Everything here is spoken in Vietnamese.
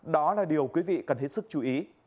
đó là điều quý vị cần hết sức chú ý